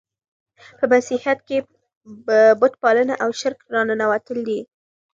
په مسیحیت کښي بت پالنه او شرک راننوتل دي.